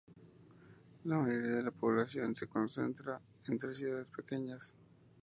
La mayoría de la población se concentra en tres ciudades pequeñas.